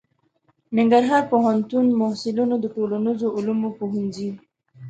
ننګرهار پوهنتون محصلینو د ټولنیزو علومو پوهنځي